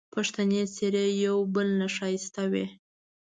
پښتني څېرې یو بل نه ښایسته وې